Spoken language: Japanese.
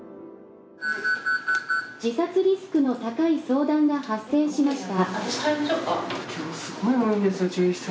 自殺リスクの高い相談が発生しました。